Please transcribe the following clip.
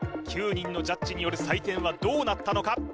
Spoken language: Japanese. ９人のジャッジによる採点はどうなったのか？